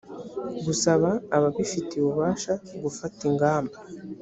gusaba ababifitiye ububasha gufata ingamba